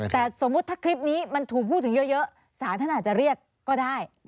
แต่สมมุติถ้าคลิปนี้มันถูกพูดถึงเยอะศาลท่านอาจจะเรียกก็ได้